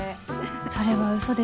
それはウソです